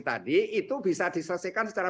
tadi itu bisa diselesaikan secara